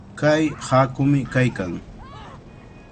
Kay haakumi kaykan.